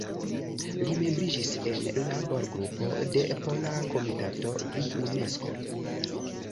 Li membris en Labor-Grupo de la Pola Komitato pri Unesko.